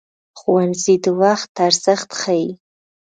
ښوونځی د وخت ارزښت ښيي